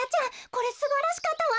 これすばらしかったわ！